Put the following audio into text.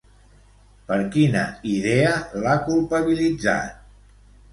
Per quina idea l'ha culpabilitzat?